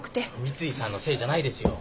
三井さんのせいじゃないですよ。